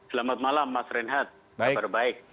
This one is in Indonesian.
selamat malam mas renhat apa kabar